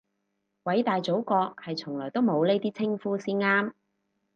偉大祖國係從來都冇呢啲稱呼先啱